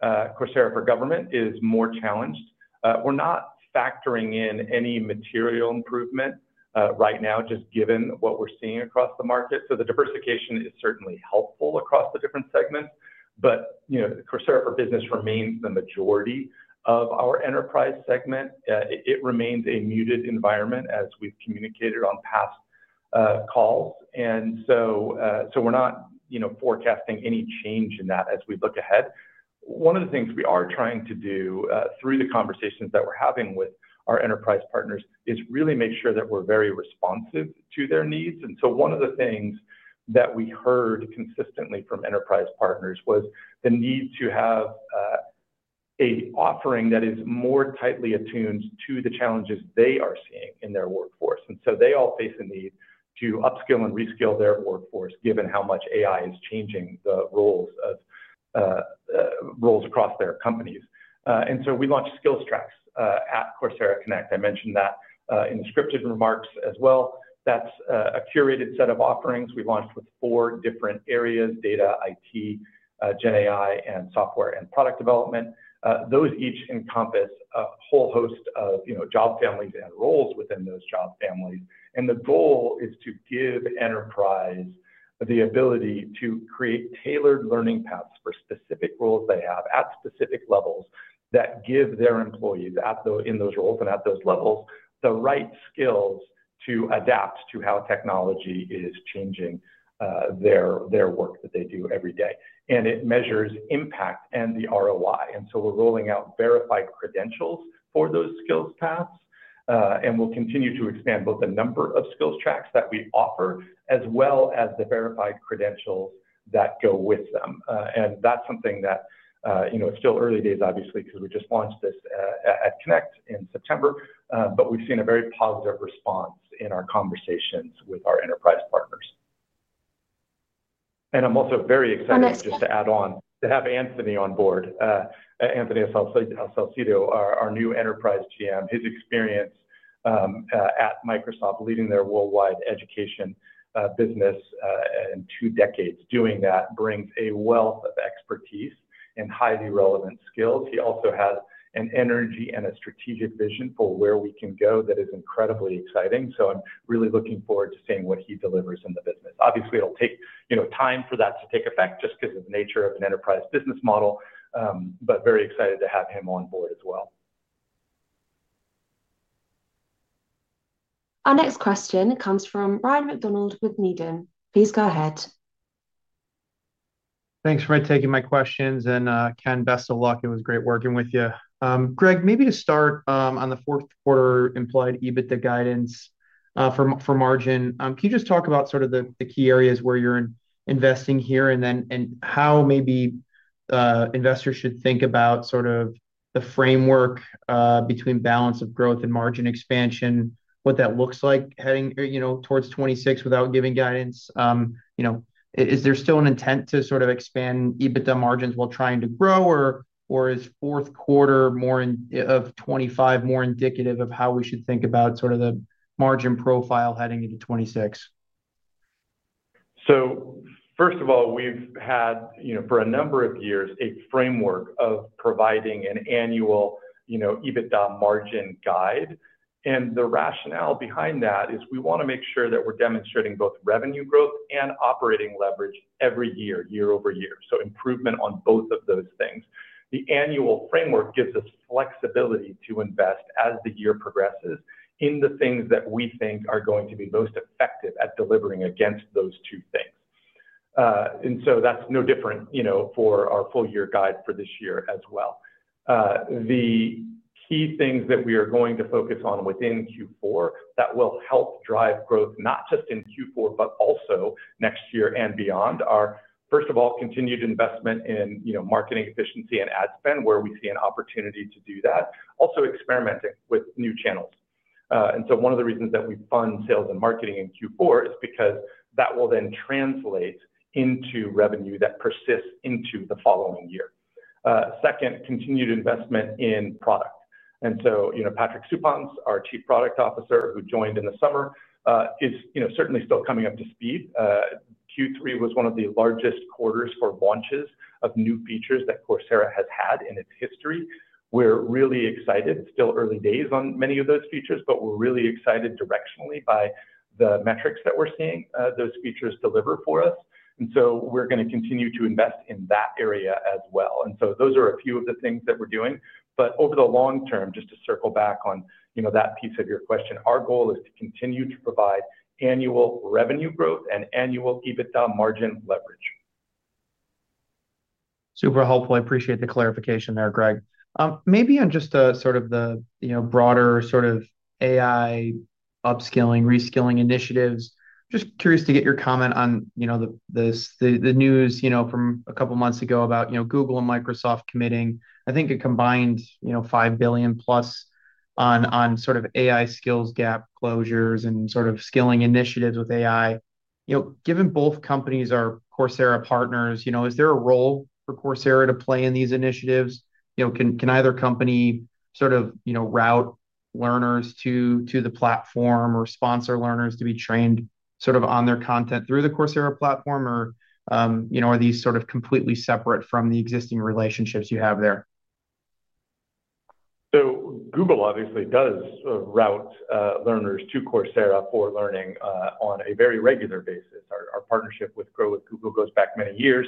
Coursera for Government is more challenged. We're not factoring in any material improvement right now, just given what we're seeing across the market. The diversification is certainly helpful across the different segments. Coursera for Business remains the majority of our enterprise segment. It remains a muted environment, as we've communicated on past calls. We're not forecasting any change in that as we look ahead. One of the things we are trying to do through the conversations that we're having with our enterprise partners is really make sure that we're very responsive to their needs. One of the things that we heard consistently from enterprise partners was the need to have an offering that is more tightly attuned to the challenges they are seeing in their workforce. They all face a need to upskill and reskill their workforce, given how much AI is changing the roles across their companies. We launched Skills Tracks at Coursera Connect. I mentioned that in the scripted remarks as well. That's a curated set of offerings we launched with four different areas: data, IT, GenAI, and software and product development. Those each encompass a whole host of job families and roles within those job families. The goal is to give enterprise the ability to create tailored learning paths for specific roles they have at specific levels that give their employees in those roles and at those levels the right skills to adapt to how technology is changing their work that they do every day. It measures impact and the ROI. We're rolling out verified credentials for those skills paths. We'll continue to expand both the number of Skills Tracks that we offer, as well as the verified credentials that go with them. That's something that it's still early days, obviously, because we just launched this at Connect in September. We've seen a very positive response in our conversations with our enterprise partners. I'm also very excited, just to add on, to have Anthony on board, Anthony Salcito, our new Enterprise GM. His experience at Microsoft, leading their worldwide education business in two decades, doing that brings a wealth of expertise and highly relevant skills. He also has an energy and a strategic vision for where we can go that is incredibly exciting. I'm really looking forward to seeing what he delivers in the business. Obviously, it'll take time for that to take effect just because of the nature of an enterprise business model, but very excited to have him on board as well.
Our next question comes from Ryan MacDonald with Needham. Please go ahead.
Thanks for taking my questions, and Ken, best of luck. It was great working with you. Greg, maybe to start on the fourth quarter implied EBITDA guidance for margin, can you just talk about the key areas where you're investing here and how investors should think about the framework between balance of growth and margin expansion, what that looks like heading towards 2026 without giving guidance? Is there still an intent to expand EBITDA margins while trying to grow, or is fourth quarter of 2025 more indicative of how we should think about the margin profile heading into 2026?
First of all, we've had, for a number of years, a framework of providing an annual EBITDA margin guide. The rationale behind that is we want to make sure that we're demonstrating both revenue growth and operating leverage every year, year-over-year, so improvement on both of those things. The annual framework gives us flexibility to invest as the year progresses in the things that we think are going to be most effective at delivering against those two things. That's no different for our full-year guide for this year as well. The key things that we are going to focus on within Q4 that will help drive growth, not just in Q4, but also next year and beyond, are, first of all, continued investment in marketing efficiency and ad spend, where we see an opportunity to do that. Also, experimenting with new channels. One of the reasons that we fund sales and marketing in Q4 is because that will then translate into revenue that persists into the following year. Second, continued investment in product. Patrick Supanc, our Chief Product Officer, who joined in the summer, is certainly still coming up to speed. Q3 was one of the largest quarters for launches of new features that Coursera has had in its history. We're really excited. Still early days on many of those features, but we're really excited directionally by the metrics that we're seeing those features deliver for us. We're going to continue to invest in that area as well. Those are a few of the things that we're doing. Over the long term, just to circle back on that piece of your question, our goal is to continue to provide annual revenue growth and annual EBITDA margin leverage.
Super helpful. I appreciate the clarification there, Greg. Maybe on just sort of the broader sort of AI upskilling, reskilling initiatives, just curious to get your comment on the news from a couple of months ago about Google and Microsoft committing, I think, a combined $5 billion+ on sort of AI skills gap closures and sort of skilling initiatives with AI. Given both companies are Coursera partners, is there a role for Coursera to play in these initiatives? Can either company sort of route learners to the platform or sponsor learners to be trained sort of on their content through the Coursera platform, or are these sort of completely separate from the existing relationships you have there?
Google obviously does route learners to Coursera for learning on a very regular basis. Our partnership with Grow with Google goes back many years.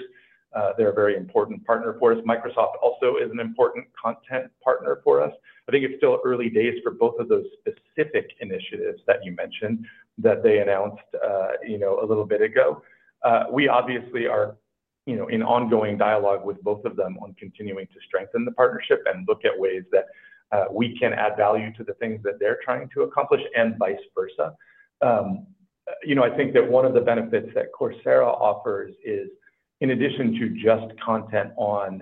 They're a very important partner for us. Microsoft also is an important content partner for us. I think it's still early days for both of those specific initiatives that you mentioned that they announced a little bit ago. We are in ongoing dialogue with both of them on continuing to strengthen the partnership and look at ways that we can add value to the things that they're trying to accomplish and vice versa. I think that one of the benefits that Coursera offers is, in addition to just content on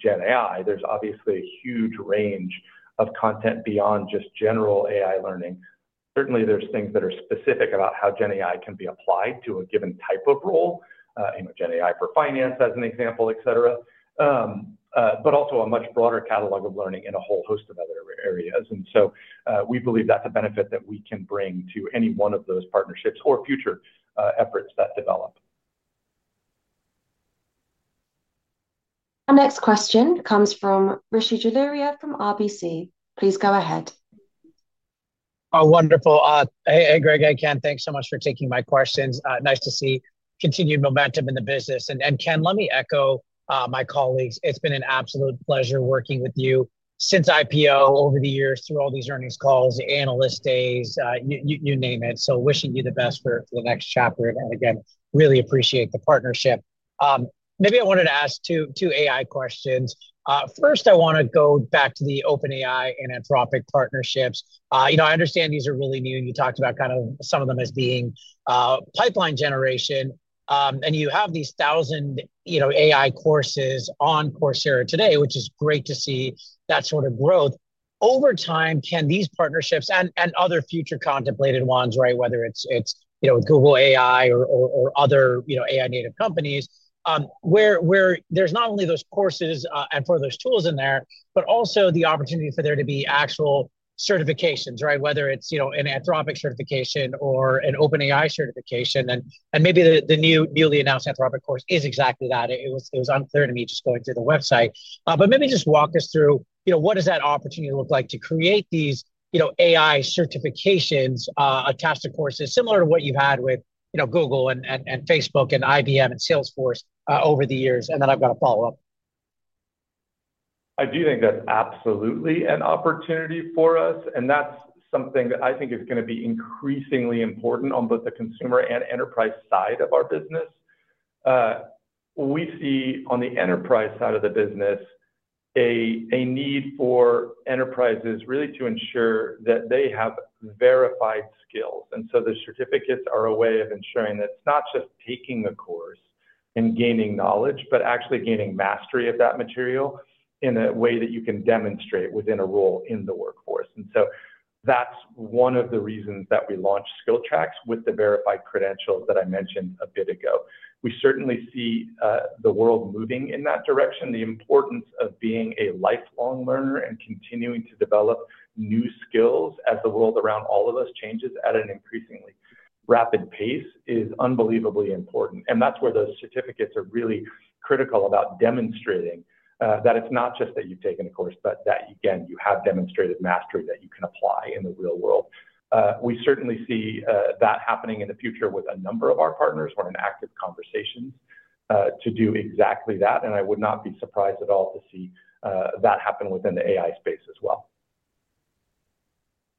generative AI, there's obviously a huge range of content beyond just general AI learning. Certainly, there's things that are specific about how generative AI can be applied to a given type of role, generative AI for finance as an example, etc., but also a much broader catalog of learning in a whole host of other areas. We believe that's a benefit that we can bring to any one of those partnerships or future efforts that develop.
Our next question comes from Rishi Jaluria from RBC. Please go ahead.
Oh, wonderful. Hey, Greg, I can. Thanks so much for taking my questions. Nice to see continued momentum in the business. Ken, let me echo my colleagues. It's been an absolute pleasure working with you since IPO over the years through all these earnings calls, the analyst days, you name it. Wishing you the best for the next chapter. I really appreciate the partnership. Maybe I wanted to ask two AI questions. First, I want to go back to the OpenAI and Anthropic partnerships. I understand these are really new, and you talked about kind of some of them as being pipeline generation. You have these thousand AI courses on Coursera today, which is great to see that sort of growth. Over time, can these partnerships and other future contemplated ones, whether it's Google AI or other AI-native companies, where there's not only those courses and for those tools in there, but also the opportunity for there to be actual certifications, whether it's an Anthropic certification or an OpenAI certification? Maybe the newly announced Anthropic course is exactly that. It was unclear to me just going through the website. Maybe just walk us through, what does that opportunity look like to create these AI certifications attached to courses similar to what you've had with Google and Facebook and IBM and Salesforce over the years? I've got a follow-up.
I do think that's absolutely an opportunity for us. That's something that I think is going to be increasingly important on both the consumer and enterprise side of our business. We see on the enterprise side of the business a need for enterprises really to ensure that they have verified skills. The certificates are a way of ensuring that it's not just taking a course and gaining knowledge, but actually gaining mastery of that material in a way that you can demonstrate within a role in the workforce. That's one of the reasons that we launched Skills Tracks with the verified credentials that I mentioned a bit ago. We certainly see the world moving in that direction. The importance of being a lifelong learner and continuing to develop new skills as the world around all of us changes at an increasingly rapid pace is unbelievably important. That's where those certificates are really critical about demonstrating that it's not just that you've taken a course, but that, again, you have demonstrated mastery that you can apply in the real world. We certainly see that happening in the future with a number of our partners. We're in active conversations to do exactly that. I would not be surprised at all to see that happen within the AI space as well.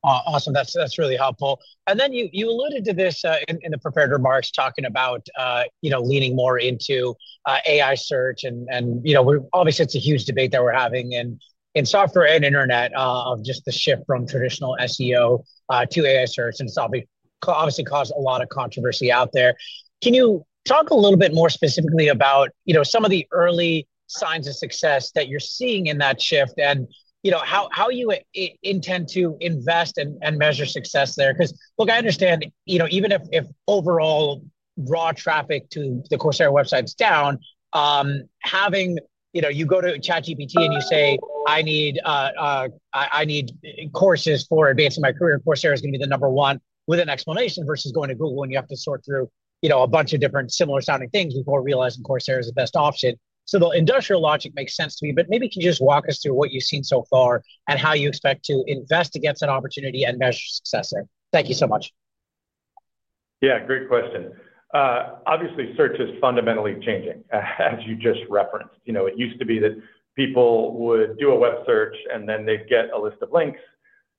Awesome. That's really helpful. You alluded to this in the prepared remarks, talking about leaning more into AI search. Obviously, it's a huge debate that we're having in software and internet of just the shift from traditional SEO to AI search. It's obviously caused a lot of controversy out there. Can you talk a little bit more specifically about some of the early signs of success that you're seeing in that shift and how you intend to invest and measure success there? I understand even if overall raw traffic to the Coursera website is down, having you go to ChatGPT and you say, I need courses for advancing my career, Coursera is going to be the number one with an explanation versus going to Google when you have to sort through a bunch of different similar sounding things before realizing Coursera is the best option. The industrial logic makes sense to me. Maybe you can just walk us through what you've seen so far and how you expect to invest against that opportunity and measure success there. Thank you so much.
Yeah, great question. Obviously, search is fundamentally changing, as you just referenced. It used to be that people would do a web search, and then they'd get a list of links,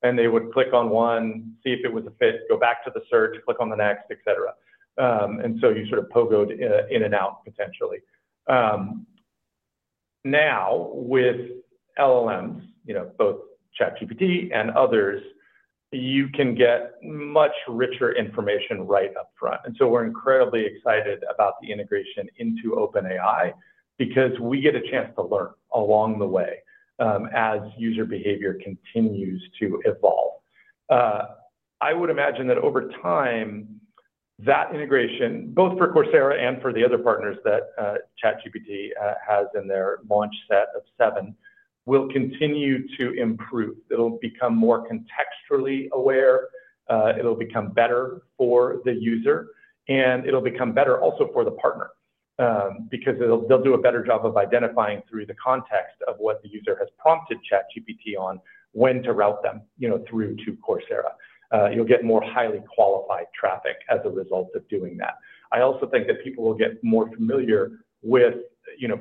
and they would click on one, see if it was a fit, go back to the search, click on the next, et cetera. You sort of pogoed in and out, potentially. Now, with LLMs, both ChatGPT and others, you can get much richer information right up front. We're incredibly excited about the integration into OpenAI because we get a chance to learn along the way as user behavior continues to evolve. I would imagine that over time, that integration, both for Coursera and for the other partners that ChatGPT has in their launch set of seven, will continue to improve. It'll become more contextually aware. It'll become better for the user. It'll become better also for the partner because they'll do a better job of identifying through the context of what the user has prompted ChatGPT on when to route them through to Coursera. You'll get more highly qualified traffic as a result of doing that. I also think that people will get more familiar with,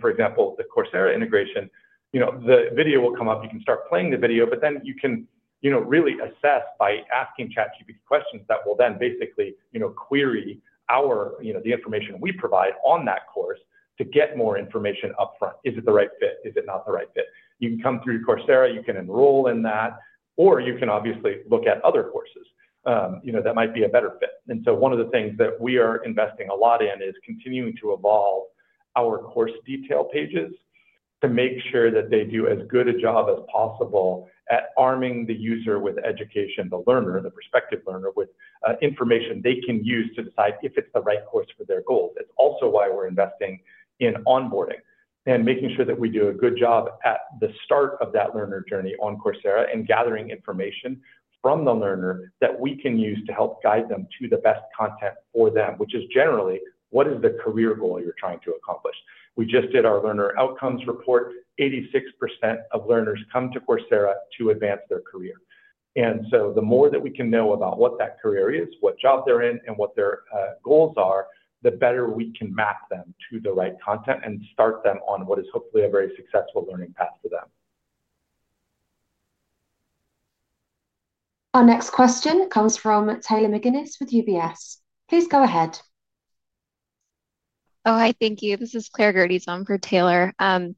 for example, the Coursera integration. The video will come up. You can start playing the video, but then you can really assess by asking ChatGPT questions that will then basically query the information we provide on that course to get more information up front. Is it the right fit? Is it not the right fit? You can come through Coursera. You can enroll in that. You can obviously look at other courses that might be a better fit. One of the things that we are investing a lot in is continuing to evolve our course detail pages to make sure that they do as good a job as possible at arming the user with education, the learner, the prospective learner, with information they can use to decide if it's the right course for their goals. It's also why we're investing in onboarding and making sure that we do a good job at the start of that learner journey on Coursera and gathering information from the learner that we can use to help guide them to the best content for them, which is generally, what is the career goal you're trying to accomplish? We just did our learner outcomes report. 86% of learners come to Coursera to advance their career. The more that we can know about what that career is, what job they're in, and what their goals are, the better we can map them to the right content and start them on what is hopefully a very successful learning path for them.
Our next question comes from Taylor McGinnis. with UBS. Please go ahead.
Oh, hi. Thank you. This is Claire Gerdes for Taylor. I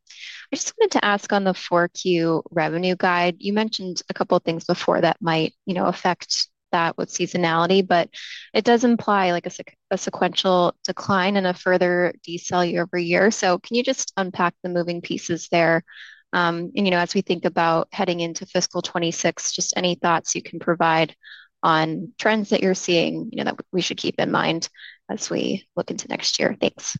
just wanted to ask on the 4Q revenue guide. You mentioned a couple of things before that might affect that with seasonality, but it does imply a sequential decline and a further deceleration year-over-year. Can you just unpack the moving pieces there? As we think about heading into fiscal 2026, any thoughts you can provide on trends that you're seeing that we should keep in mind as we look into next year? Thanks.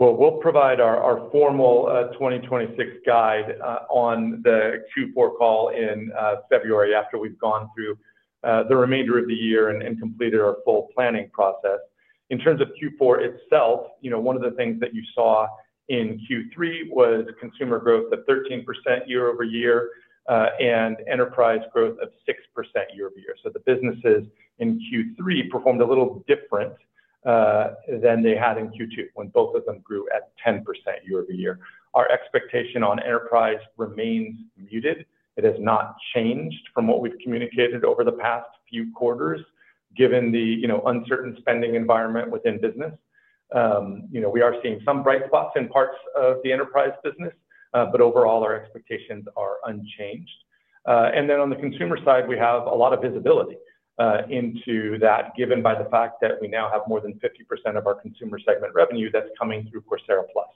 We will provide our formal 2026 guide on the Q4 call in February after we've gone through the remainder of the year and completed our full planning process. In terms of Q4 itself, one of the things that you saw in Q3 was consumer growth of 13% year-over-year and enterprise growth of 6% year-over-year. The businesses in Q3 performed a little different than they had in Q2 when both of them grew at 10% year-over-year. Our expectation on enterprise remains muted. It has not changed from what we've communicated over the past few quarters, given the uncertain spending environment within business. We are seeing some bright spots in parts of the enterprise business, but overall, our expectations are unchanged. On the consumer side, we have a lot of visibility into that, given by the fact that we now have more than 50% of our consumer segment revenue that's coming through Coursera Plus.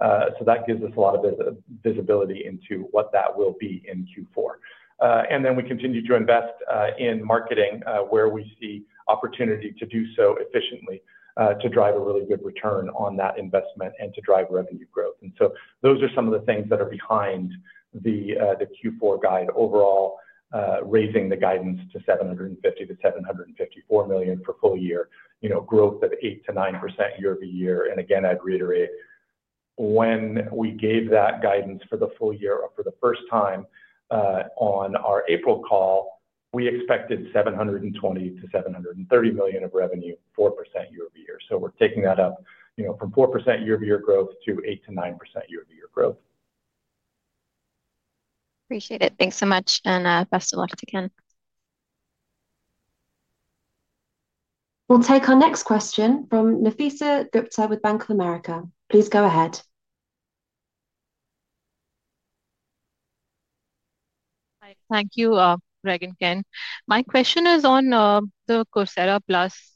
That gives us a lot of visibility into what that will be in Q4. We continue to invest in marketing where we see opportunity to do so efficiently to drive a really good return on that investment and to drive revenue growth. Those are some of the things that are behind the Q4 guide overall, raising the guidance to $750 million to $754 million for full year, growth of 8%-9% year-over-year. Again, I'd reiterate, when we gave that guidance for the full year for the first time on our April call, we expected $720 million-$730 million of revenue, 4% year-over-year. We're taking that up from 4% year-over-year growth to 8%-9% year-over-year growth.
Appreciate it. Thanks so much, and best of luck to Ken.
We'll take our next question from Nafeesa Gupta with Bank of America. Please go ahead.
Hi. Thank you, Greg and Ken. My question is on the Coursera Plus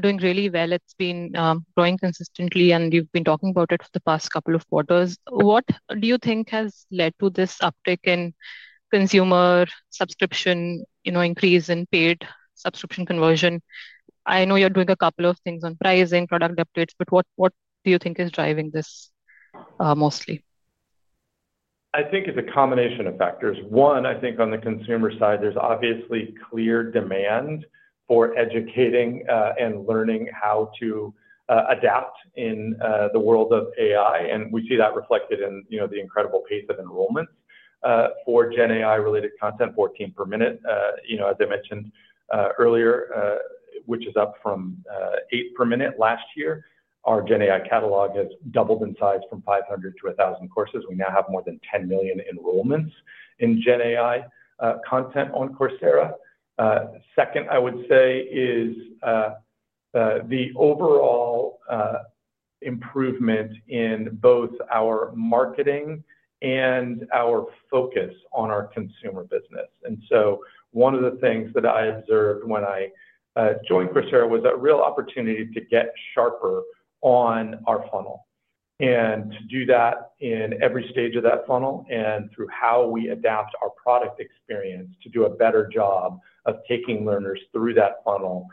doing really well. It's been growing consistently, and you've been talking about it for the past couple of quarters. What do you think has led to this uptick in consumer subscription increase in paid subscription conversion? I know you're doing a couple of things on pricing, product updates, but what do you think is driving this mostly?
I think it's a combination of factors. One, I think on the consumer side, there's obviously clear demand for educating and learning how to adapt in the world of AI. We see that reflected in the incredible pace of enrollments for GenAI-related content, 14 per minute, as I mentioned earlier, which is up from 8 per minute last year. Our GenAI catalog has doubled in size from 500 to 1,000 courses. We now have more than 10 million enrollments in GenAI content on Coursera. Second, I would say, is the overall improvement in both our marketing and our focus on our consumer business. One of the things that I observed when I joined Coursera was a real opportunity to get sharper on our funnel and to do that in every stage of that funnel and through how we adapt our product experience to do a better job of taking learners through that funnel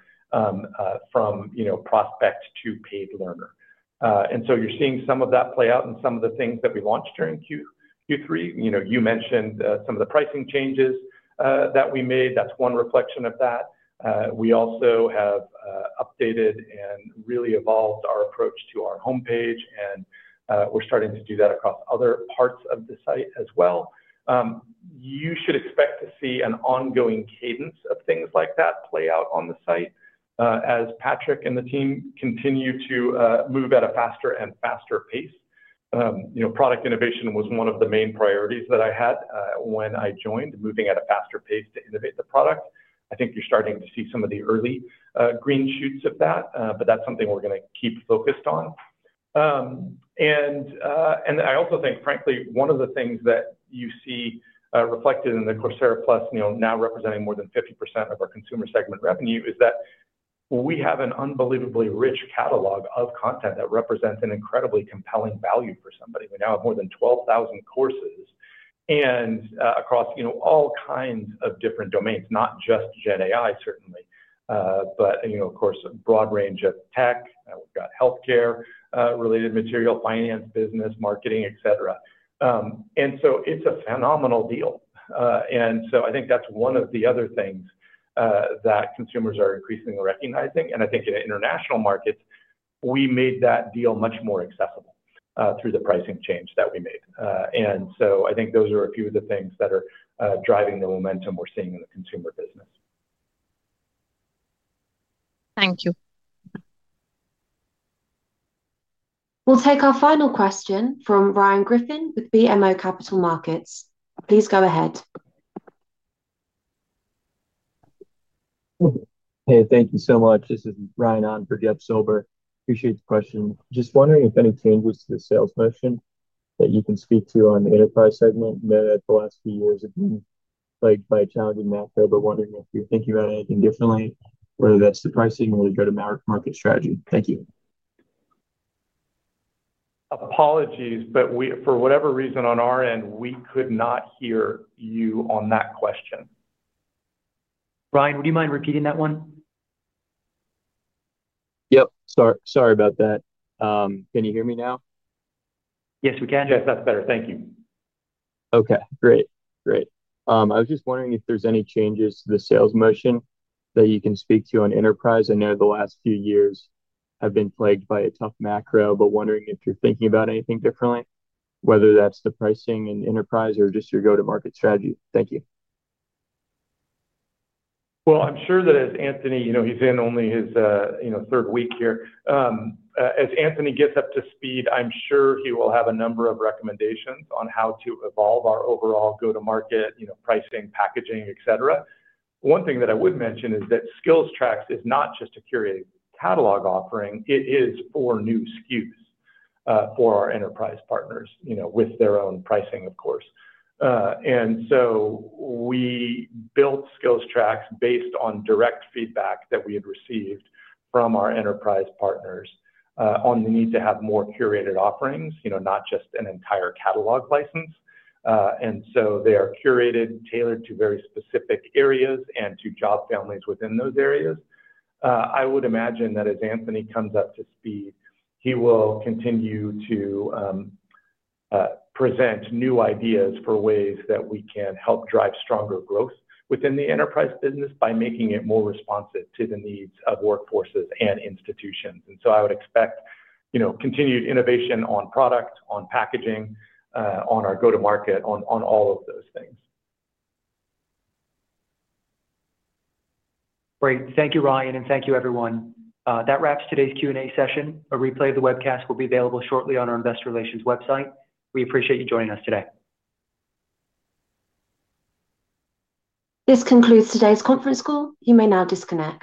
from prospect to paid learner. You're seeing some of that play out in some of the things that we launched during Q3. You mentioned some of the pricing changes that we made. That's one reflection of that. We also have updated and really evolved our approach to our homepage, and we're starting to do that across other parts of the site as well. You should expect to see an ongoing cadence of things like that play out on the site as Patrick and the team continue to move at a faster and faster pace. Product innovation was one of the main priorities that I had when I joined, moving at a faster pace to innovate the product. I think you're starting to see some of the early green shoots of that, but that's something we're going to keep focused on. I also think, frankly, one of the things that you see reflected in the Coursera Plus now representing more than 50% of our consumer segment revenue is that we have an unbelievably rich catalog of content that represents an incredibly compelling value for somebody. We now have more than 12,000 courses across all kinds of different domains, not just GenAI, certainly, but of course, a broad range of tech. We've got healthcare-related material, finance, business, marketing, et cetera. It's a phenomenal deal. I think that's one of the other things that consumers are increasingly recognizing. I think in international markets, we made that deal much more accessible through the pricing change that we made. I think those are a few of the things that are driving the momentum we're seeing in the consumer business.
Thank you. We'll take our final question from Ryan Griffin with BMO Capital Markets. Please go ahead.
Hey, thank you so much. This is Ryan on for Jeff Silber. Appreciate the question. Just wondering if any changes to the sales motion that you can speak to on the enterprise segment, knowing that the last few years have been plagued by a challenging market. Wondering if you're thinking about anything differently, whether that's the pricing or the go-to-market strategy. Thank you.
Apologies, but for whatever reason on our end, we could not hear you on that question.
Ryan, would you mind repeating that one?
Sorry about that. Can you hear me now?
Yes, we can.
Yes, that's better. Thank you. Okay, great. I was just wondering if there's any changes to the sales motion that you can speak to on enterprise. I know the last few years have been plagued by a tough macro, but wondering if you're thinking about anything differently, whether that's the pricing in enterprise or just your go-to-market strategy. Thank you.
As Anthony, you know, he's in only his third week here. As Anthony gets up to speed, I'm sure he will have a number of recommendations on how to evolve our overall go-to-market pricing, packaging, et cetera. One thing that I would mention is that Skills Tracks is not just a curated catalog offering. It is four new SKUs for our enterprise partners, you know, with their own pricing, of course. We built Skills Tracks based on direct feedback that we had received from our enterprise partners on the need to have more curated offerings, you know, not just an entire catalog license. They are curated, tailored to very specific areas and to job families within those areas. I would imagine that as Anthony comes up to speed, he will continue to present new ideas for ways that we can help drive stronger growth within the enterprise business by making it more responsive to the needs of workforces and institutions. I would expect continued innovation on product, on packaging, on our go-to-market, on all of those things.
Great. Thank you, Ryan, and thank you, everyone. That wraps today's Q&A session. A replay of the webcast will be available shortly on our Investor Relations website. We appreciate you joining us today.
This concludes today's conference call. You may now disconnect.